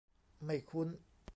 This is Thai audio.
ไม่คุ้น